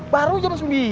baru jam sembilan